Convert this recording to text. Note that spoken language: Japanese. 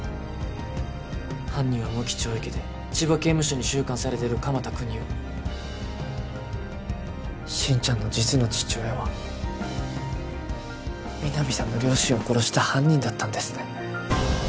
犯人は無期懲役で千葉刑務所に収監されてる鎌田國士心ちゃんの実の父親は皆実さんの両親を殺した犯人だったんですね